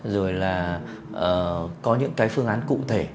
rồi là có những phương án cụ thể